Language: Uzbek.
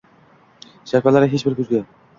Sharpalari hech bir ko’zga